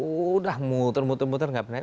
udah muter muter muter nggak pernah